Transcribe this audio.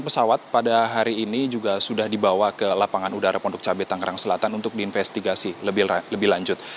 pesawat pada hari ini juga sudah dibawa ke lapangan udara pondok cabai tangerang selatan untuk diinvestigasi lebih lanjut